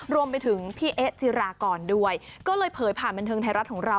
รวมไปถึงพี่เอ๊ะจิรากรด้วยก็เลยเผยผ่านบันเทิงไทยรัฐของเรา